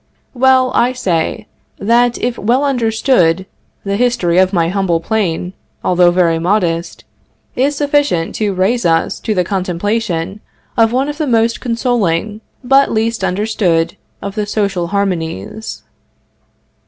Well, I say that, if well understood, the history of my humble plane, although very modest, is sufficient to raise us to the contemplation of one of the most consoling, but least understood, of the social harmonies.